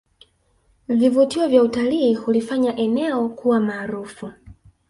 Vivutio vya utalii hulifanya eneo kuwa maarufu